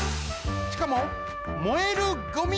しかも燃えるゴミ。